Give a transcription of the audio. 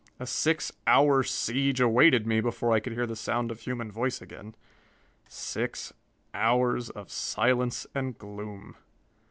A six hour siege awaited me before I could hear the sound of human voice again six hours of silence and gloom.